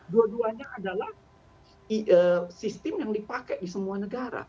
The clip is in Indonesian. dua duanya adalah sistem yang dipakai di semua negara